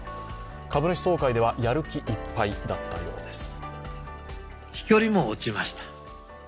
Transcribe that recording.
株主総会ではやる気いっぱいだったようです。